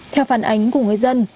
theo phản ánh của người dân